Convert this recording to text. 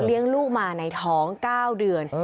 เลี้ยงลูกมาในถอง๙เดือน